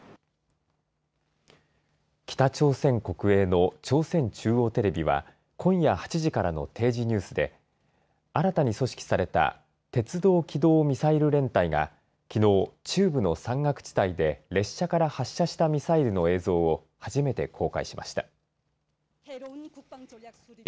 北朝鮮国営の朝鮮中央テレビは今夜８時からの定時ニュースで新たに組織された鉄道機動ミサイル連隊がきのう中部の山岳地帯で列車から発射したミサイルの映像を初めて公開しました。